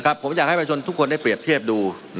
มันมีมาต่อเนื่องมีเหตุการณ์ที่ไม่เคยเกิดขึ้น